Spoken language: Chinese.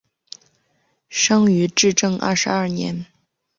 生于至正二十二年。